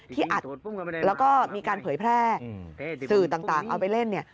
อัดแล้วก็มีการเผยแพร่สื่อต่างเอาไปเล่นเนี่ย